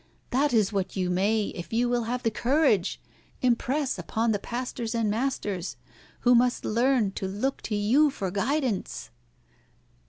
That is what you may, if you will have the courage, impress upon the pastors and masters, who must learn to look to you for guidance."